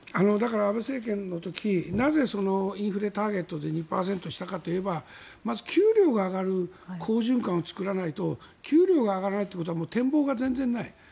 だから、安倍政権の時なぜ、インフレターゲットで２％にしたかというとまず給料が上がる好循環を作らないと給料が上がらないということは展望が全然ない。